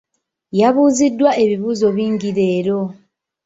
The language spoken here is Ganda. Yabuuziddwa ebibuuzo bingi leero.